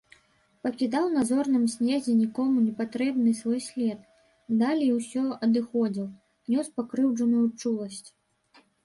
Пакідаў на зорным снезе нікому непатрэбны свой след, далей усё адыходзіў, нёс пакрыўджаную чуласць.